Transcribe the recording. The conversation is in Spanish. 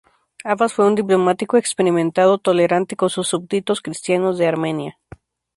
Abbás fue un diplomático experimentado, tolerante con sus súbditos cristianos de Armenia.